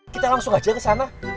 kita langsung aja kesana